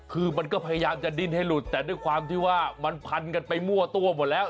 คือมันก็พยายามจะดิ้นให้หลุดแต่ด้วยความที่ว่ามันพันกันไปมั่วตัวหมดแล้ว